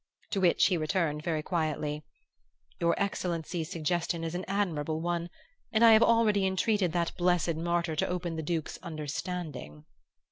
to which he returned, very quietly, 'Your excellency's suggestion is an admirable one, and I have already entreated that blessed martyr to open the Duke's understanding.